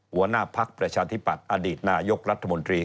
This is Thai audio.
หัวหน้าภักดิ์ประชาธิปัตย์อดีตนายกรัฐมนตรี